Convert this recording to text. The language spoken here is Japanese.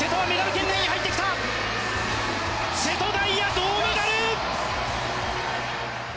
瀬戸大也、銅メダル！